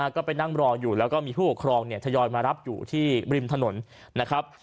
ก็ไปนั่งรออยู่แล้วก็มีผู้ปกครองเนี่ยทยอยมารับอยู่ที่ริมถนนนะครับ